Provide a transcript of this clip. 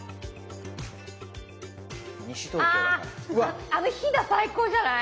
ああのヒダ最高じゃない？